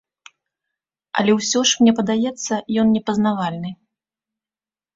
Але ўсё ж, мне падаецца, ён непазнавальны.